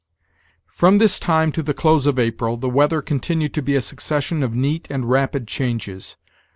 From this time to the close of April the weather continued to be a succession of neat and rapid changes.